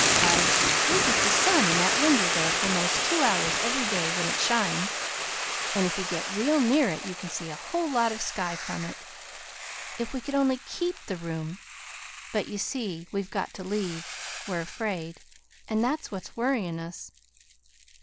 Why, we get the sun in that winder there for 'most two hours every day, when it shines. And if you get real near it you can see a whole lot of sky from it. If we could only KEEP the room! but you see we've got to leave, we're afraid. And that's what's worrin' us."